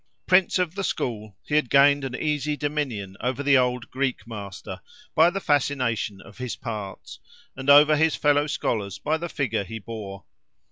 Prince of the school, he had gained an easy dominion over the old Greek master by the fascination of his parts, and over his fellow scholars by the figure he bore.